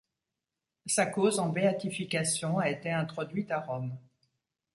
Sa cause en béatification a été introduite à Rome.